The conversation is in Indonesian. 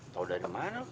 tau dari mana